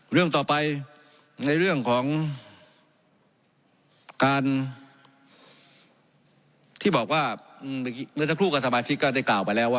เรื่องต่อไปในเรื่องของการที่บอกว่าเมื่อสักครู่กับสมาชิกก็ได้กล่าวไปแล้วว่า